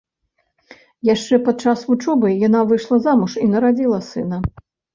Яшчэ падчас вучобы яна выйшла замуж і нарадзіла сына.